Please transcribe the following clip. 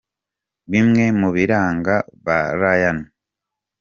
Bimwe mu biranga ba Rayane